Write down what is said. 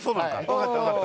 わかったわかった。